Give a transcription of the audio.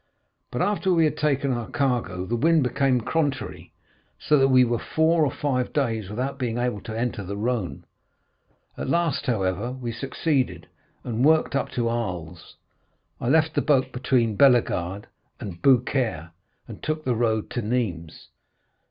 But, after we had taken in our cargo, the wind became contrary, so that we were four or five days without being able to enter the Rhône. At last, however, we succeeded, and worked up to Arles. I left the boat between Bellegarde and Beaucaire, and took the road to Nîmes."